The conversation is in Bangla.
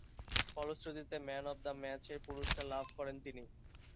ফলশ্রুতিতে ম্যান অব দ্য ম্যাচের পুরস্কার লাভ করেন তিনি।